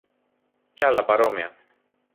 και άλλα παρόμοια.